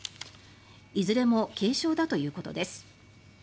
いずれも軽傷だということです。